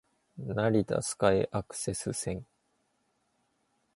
成田スカイアクセス線